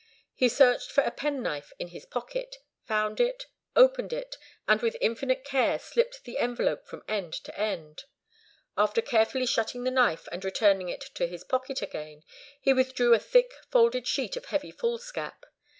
He searched for a penknife in his pocket, found it, opened it, and with infinite care slit the envelope from end to end. After carefully shutting the knife, and returning it to his pocket again, he withdrew a thick, folded sheet of heavy foolscap.